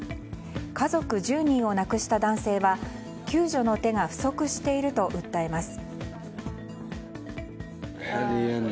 家族１０人を亡くした男性は救助の手が不足していると訴えます。